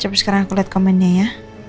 coba sekarang aku liat commentnya ya